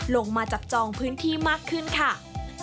ลงมาจับจองพื้นที่มากขึ้นค่ะ